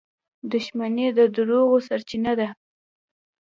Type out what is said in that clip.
• دښمني د دروغو سرچینه ده.